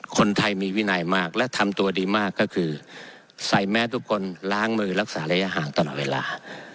คนไทยมีวินัยมากและทำตัวดีมากก็คือใส่แมสทุกคนล้างมือรักษาระยะห่างตลอดเวลา